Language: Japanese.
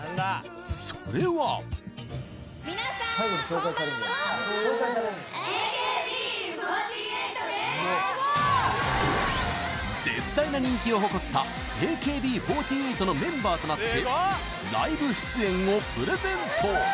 それは絶大な人気を誇ったＡＫＢ４８のメンバーとなってライブ出演をプレゼント